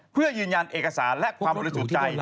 เพื่อยืนยันเอกสารและความบริสุทธิ์ใจ